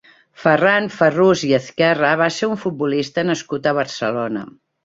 Ferran Ferrús i Ezquerra va ser un futbolista nascut a Barcelona.